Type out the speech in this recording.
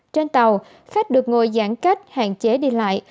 trên tàu khách được ngồi giãn cách hạn chế đi lại